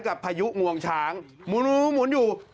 กับพายุงวงฉางหมุนอยู่